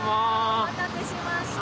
お待たせしました。